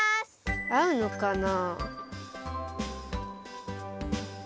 あうのかな？